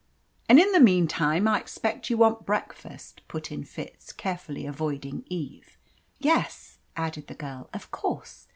"And in the meantime I expect you want breakfast?" put in Fitz, carefully avoiding Eve. "Yes," added the girl, "of course.